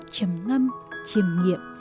chấm ngâm chiềm nghiệm